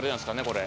これ。